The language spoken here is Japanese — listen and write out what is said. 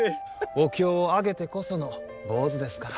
お経をあげてこその坊主ですから。